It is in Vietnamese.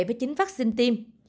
với chính vaccine tim